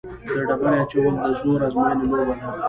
د ډبرې اچول د زور ازموینې لوبه ده.